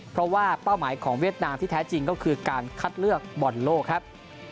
เพราะว่าเป้าหมายของเวียดนามที่แท้จริงก็คือการคัดเลือกบอลโลกครับ